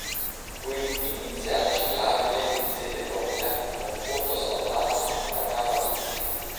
Qui inizia la ciclabile in sede propria con fondo asfaltato fino alla cava Mizzi.